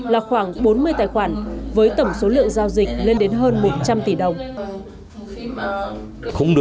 là khoảng bốn mươi tài khoản với tổng số lượng giao dịch lên đến hơn một trăm linh tỷ đồng